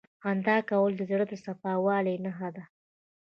• خندا کول د زړه د صفا والي نښه ده.